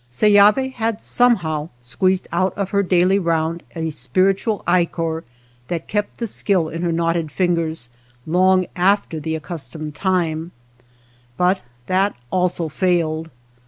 Seyavi had somehow squeezed out of her daily round a spiritual ichor that kept the skill in her knotted iinoers lonor after the ac customed time, but that also failed.